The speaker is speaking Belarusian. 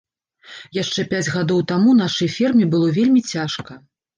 Яшчэ пяць гадоў таму нашай ферме было вельмі цяжка.